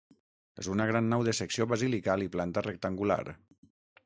És una gran nau de secció basilical i planta rectangular.